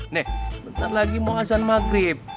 nih bentar lagi mau ngasan maghrib